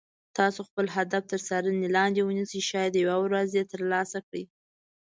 تاسو خپل هدف تر څار لاندې ونیسئ شاید یوه ورځ یې تر لاسه کړئ.